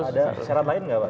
ada syarat lain nggak pak